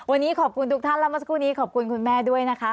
วันนี้ขอบคุณทุกท่านแล้วเมื่อสักครู่นี้ขอบคุณคุณแม่ด้วยนะคะ